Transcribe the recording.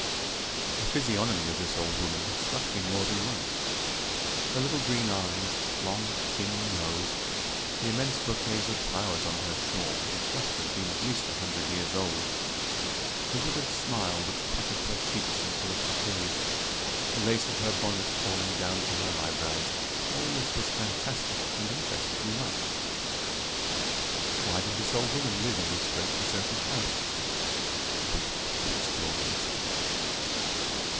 The physiognomy of this old woman had struck me more than once: her little green eyes, long, thin nose, the immense bouquets of flowers on her shawl, which must have been at least a hundred years old, the withered smile which puckered her cheeks into a cockade, the lace of her bonnet falling down to her eyebrows all this was fantastic, and interested me much. Why did this old woman live in this great deserted house? I wished to explore the mystery.